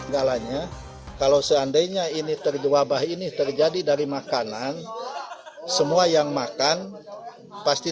galanya kalau seandainya ini terjewabah ini terjadi dari makanan semua yang makan pasti